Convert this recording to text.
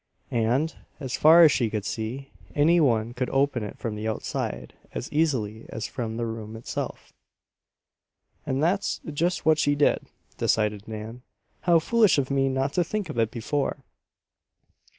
And, as far as she could see, any one could open it from the outside as easily as from the room itself. "And that's just what she did," decided Nan. "How foolish of me not to think of it before."